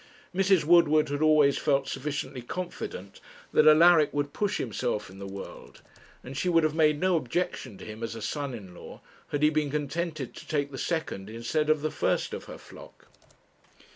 Mrs. Woodward had always felt sufficiently confident that Alaric would push himself in the world, and she would have made no objection to him as a son in law had he been contented to take the second instead of the first of her flock.